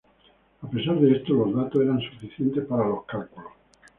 A pesar de esto, los datos eran suficientes para los cálculos.